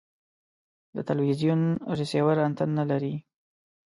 د تلوزیون ریسیور انتن نلري